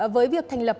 với việc thành lập